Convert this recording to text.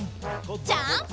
ジャンプ！